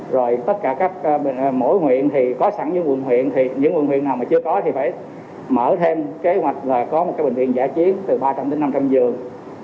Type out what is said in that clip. rồi tất cả các bệnh viện có sẵn với quận huyện thì phải mở thêm kế hoạch là có một cái bệnh viện giả chiến từ ba trăm linh đến năm trăm linh giường